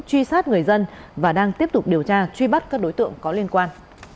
truy sát người dân và đang tiếp tục điều tra truy bắt các đối tượng có liên quan